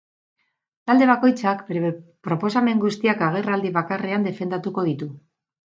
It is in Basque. Talde bakoitzak bere proposamen guztiak agerraldi bakarrean defendatuko ditu.